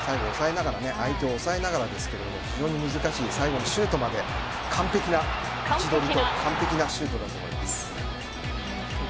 相手を押さえながら非常に難しい最後のシュートまで完璧な位置取りと完璧なシュートだと思います。